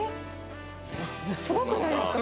すごくないですか？